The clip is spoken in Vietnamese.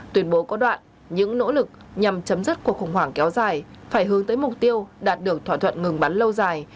tuyên bố có đoạn những nỗ lực nhằm chấm dứt cuộc khủng hoảng kéo dài phải hướng tới mục tiêu đạt được thỏa thuận ngừng bắn lâu dài